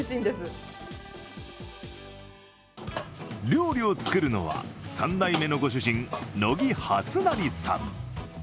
料理を作るのは３代目のご主人、野木発成さん。